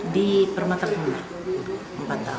di permater tumah empat tahun